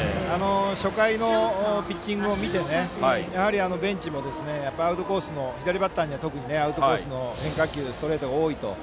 初回のピッチングを見てやはりベンチも左バッターのアウトコースには変化球よりストレートが多いと。